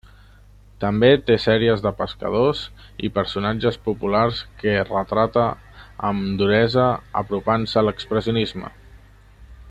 També té sèries de pescadors i personatges populars que retrata amb duresa apropant-se a l'expressionisme.